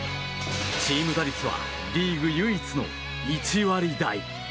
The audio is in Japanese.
チーム打率はリーグ唯一の１割台。